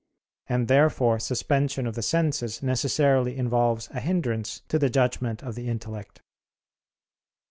And therefore suspension of the senses necessarily involves a hindrance to the judgment of the intellect.